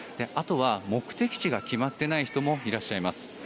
あとは目的地が決まってない人もいらっしゃいます。